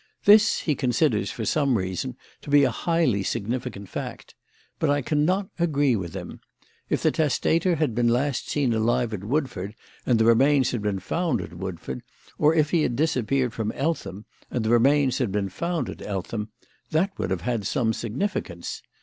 This he considers for some reason to be a highly significant fact. But I cannot agree with him. If the testator had been last seen alive at Woodford and the remains had been found at Woodford, or if he had disappeared from Eltham and the remains had been found at Eltham, that would have had some significance.